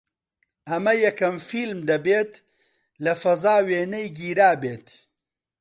ئەمە یەکەم فیلم دەبێت لە فەزا وێنەی گیرابێت